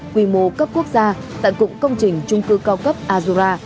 quy mô cấp quốc gia tại cụng công trình trung cư cao cấp azura